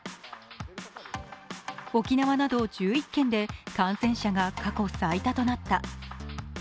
沖縄など１１県で感染者が過去最多となった。